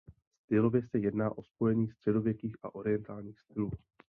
Stylově se jedná o spojení středověkých a orientálních stylů.